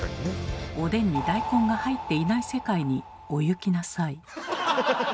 おでんに大根が入っていない世界にお行きなさい。